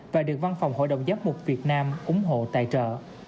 và được văn phòng hội đồng giám mục việt nam ủng hộ tài trợ